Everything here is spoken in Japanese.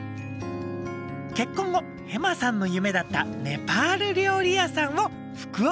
結婚後ヘマさんの夢だったネパール料理屋さんを福岡にオープン。